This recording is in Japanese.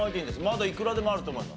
まだいくらでもあると思います。